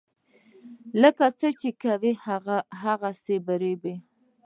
لکه څنګه چې کوې هغسې به ریبې.